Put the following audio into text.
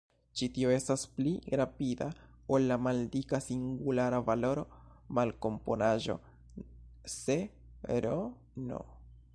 Ĉi tio estas pli rapida ol la maldika singulara valoro malkomponaĵo se "r«n".